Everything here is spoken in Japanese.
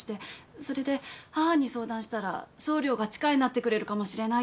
それで母に相談したら総領が力になってくれるかもしれないって。